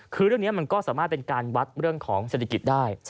คือเรื่องนี้มันก็สามารถเป็นการวัดเรื่องของเศรษฐกิจได้